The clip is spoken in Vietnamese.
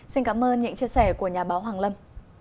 xin cảm ơn những chia sẻ của nhà báo hoàng lâm